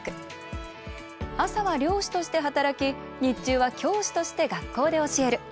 朝は漁師として働き日中は教師として学校で教える。